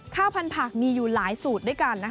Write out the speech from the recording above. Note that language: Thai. ข้าวพันผักมีอยู่หลายสูตรด้วยกัน